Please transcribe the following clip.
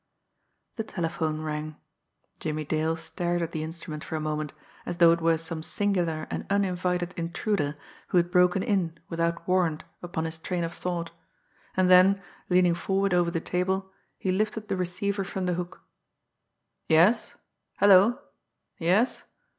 The telephone rang. Jimmie Dale stared at the instrument for a moment, as though it were some singular and uninvited intruder who had broken in without warrant upon his train of thought; and then, leaning forward over the table, he lifted the receiver from the hook. "Yes? Hello! Yes?"